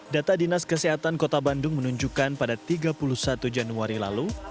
data dinas kesehatan kota bandung menunjukkan pada tiga puluh satu januari lalu